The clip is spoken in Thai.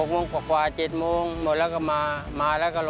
๖โมงกว่า๗โมงหมดแล้วก็มา